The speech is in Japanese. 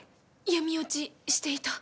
闇落ちしていた？